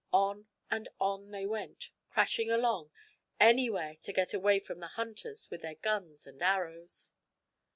On and on they went, crashing along anywhere to get away from the hunters with their guns and arrows.